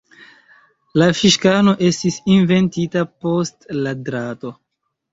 La fiŝkano estis inventita post la drato.